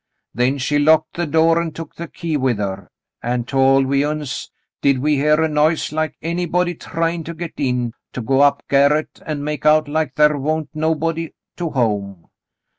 Then she locked the door an' took the key with her, an' tol' we uns did we hear a noise like anybody tryin' to get in, to go up garret an' make out like thar wa'n't nobody to home.